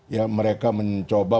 ya mereka mencoba